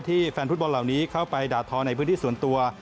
แฟนฟุตบอลเหล่านี้เข้าไปด่าทอในพื้นที่ส่วนตัว